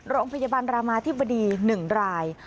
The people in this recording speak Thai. โรงพยาบาลรามาธิบดี๑ราย